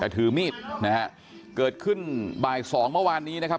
แต่ถือมีดนะฮะเกิดขึ้นบ่ายสองเมื่อวานนี้นะครับ